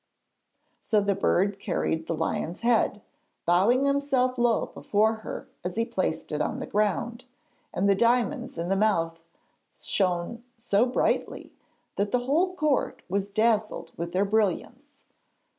So the bird carried the lion's head, bowing himself low before her as he placed it on the ground, and the diamonds in the mouth shone so brightly that the whole court was dazzled with their brilliance.